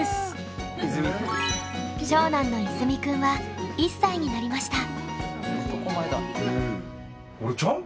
長男の緯泉くんは１歳になりました。